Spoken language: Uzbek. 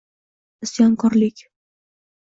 Isyonkorlik